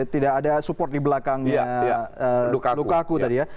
tidak ada support di belakangnya lukaku tadi ya